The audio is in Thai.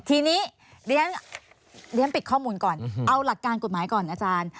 ทีนี้เรียนปิดข้อมูลก่อนเอาหลักการกฎหมายก่อนอาจารย์